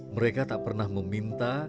mereka tak pernah meminta